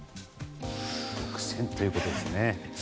独占ということですね。